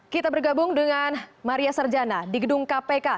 kita bergabung dengan maria sarjana di gedung kpk